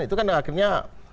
itu kan akhirnya